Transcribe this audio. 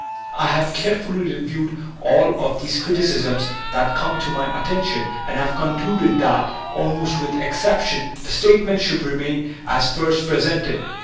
I have care fully reviewed all of these criticisms that came to my attention and have concluded that, almost without excep tion, the statements should remain as first presented.